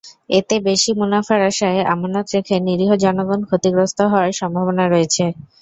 এতে বেশি মুনাফার আশায় আমানত রেখে নিরীহ জনগণ ক্ষতিগ্রস্ত হওয়ার সম্ভাবনা রয়েছে।